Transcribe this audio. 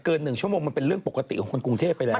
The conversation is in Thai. ๑ชั่วโมงมันเป็นเรื่องปกติของคนกรุงเทพไปแล้ว